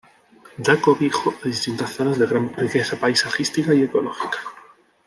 Da cobijo a distintas zonas de gran riqueza paisajística y ecológica.